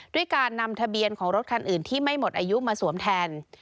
ด้วยการนำทะเบียนของรถคันอื่นที่ไม่หมดอายุมาสวมแทน